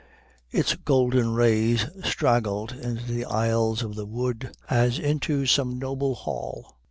Its golden rays straggled into the aisles of the wood as into some noble hall.